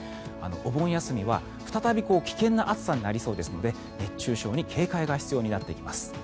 お盆休みは再び危険な暑さになりそうですので熱中症に警戒が必要になってきます。